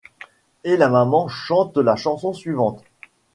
et la maman chante la chanson suivante.